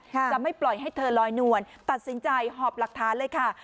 จะไม่ปล่อยให้เธอลอยนวลตัดสินใจหอบหลักฐานเลยค่ะ